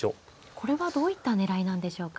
これはどういった狙いなんでしょうか。